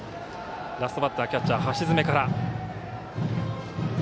ラストバッターキャッチャーの橋爪から。